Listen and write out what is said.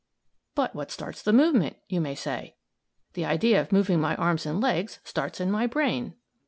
"But what starts the movement?" you may say. "The idea of moving my arms and legs starts in my brain."